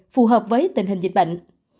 phù hợp với tình hình dịch bệnh